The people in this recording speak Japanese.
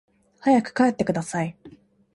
早く帰ってください